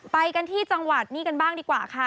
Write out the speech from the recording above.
ไปกันที่จังหวัดนี้กันบ้างดีกว่าค่ะ